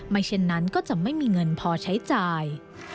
เช่นนั้นก็จะไม่มีเงินพอใช้จ่าย